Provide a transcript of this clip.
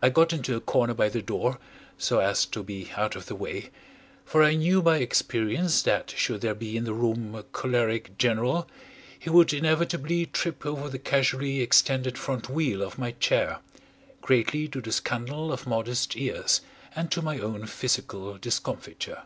I got into a corner by the door, so as to be out of the way, for I knew by experience that should there be in the room a choleric general, he would inevitably trip over the casually extended front wheel of my chair, greatly to the scandal of modest ears and to my own physical discomfiture.